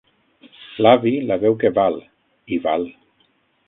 L'avi la veu que val, i val.